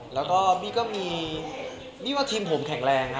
แล้วก็บี้ก็มีนี่ว่าทีมผมแข็งแรงนะ